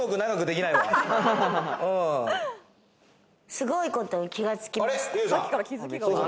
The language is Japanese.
すごいことに気が付きました。